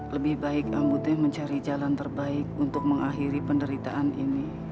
lebih baik ambuteh mencari jalan terbaik untuk mengakhiri penderitaan ini